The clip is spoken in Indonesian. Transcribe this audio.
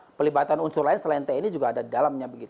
di mana pelibatan unsur lain selain tni juga ada di dalamnya begitu